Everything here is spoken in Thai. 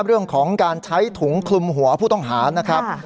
เรื่องของการใช้ถุงคลุมหัวผู้ต้องหานะครับ